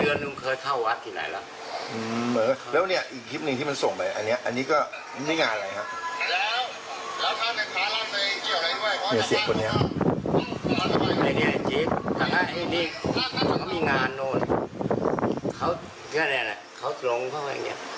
คือสิ่งที่พี่บอกนั้นคือชาวบ้าน